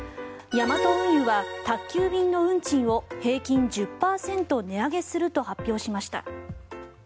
ヤマト運輸は宅急便の運賃を平均１０％値上げすると発表しました。